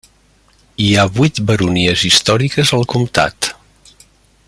Hi ha vuit baronies històriques al comtat.